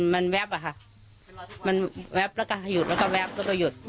มันแวบอะค่ะมันแวบแล้วก็ให้หยุดแล้วก็แป๊บแล้วก็หยุด